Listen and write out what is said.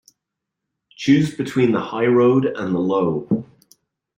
Choose between the high road and the low.